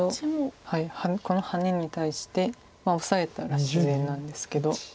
このハネに対してオサえたら自然なんですけど。